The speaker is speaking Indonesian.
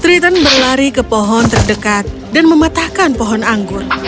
triton berlari ke pohon terdekat dan mematahkan pohon anggun